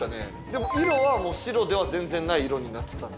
でも色はもう白では全然ない色になってた。